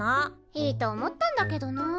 いいと思ったんだけどな。